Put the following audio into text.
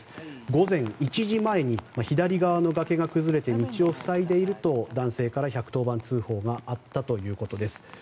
午前１時前に左側のがけが崩れて道を塞いでいると男性から１１０番通報があったということです。